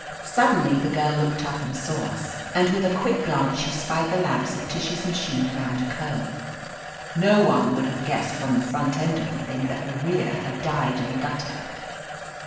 Suddenly the girl looked up and saw us, and with a quick glance she spied the lamps of 245 THE AMAZING ADVENTURES Tish's machine around a curve. No one would have guessed from the front end of the thing that the rear had died in a gutter.